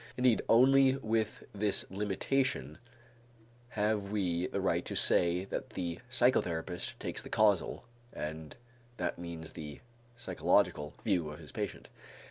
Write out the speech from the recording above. Indeed only with this limitation have we the right to say that the psychotherapist takes the causal, and that means the psychological, view of his patient.